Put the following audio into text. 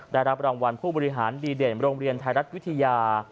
ได้รับรางวัลผู้บริหารดีเด่นโรงเรียนไทยรัฐวิทยา